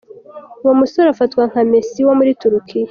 Uwo musore afatwa nka Messi wo muri Turukiya.